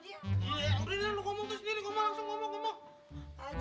budi lo ngomong tersendiri